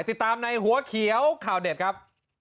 ติดตามในหัวเขียวข่าวเด็ดครับ